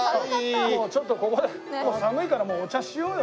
もうちょっとここで寒いからお茶しようよ。